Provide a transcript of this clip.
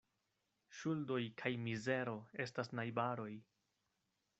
Ŝuldoj kaj mizero estas najbaroj.